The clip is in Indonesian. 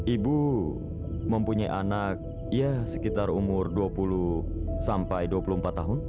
ibu mempunyai anak ya sekitar umur dua puluh sampai dua puluh empat tahun